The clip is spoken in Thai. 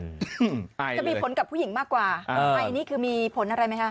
จะมีผลกับผู้หญิงมากกว่าไอนี่คือมีผลอะไรไหมคะ